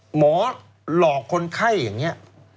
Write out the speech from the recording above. หมอหลอกคนไข้อย่างนี้